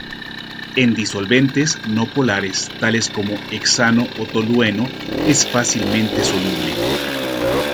En disolventes no polares tales como hexano o tolueno es fácilmente soluble.